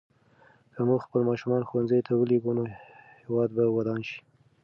که موږ خپل ماشومان ښوونځي ته ولېږو نو هېواد به ودان شي.